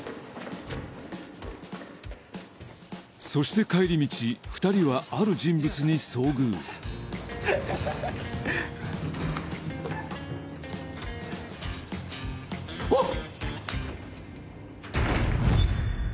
そして帰り道二人はある人物に遭遇うわっ！